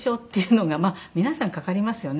まあ皆さんかかりますよね。